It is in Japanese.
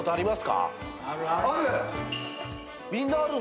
ある？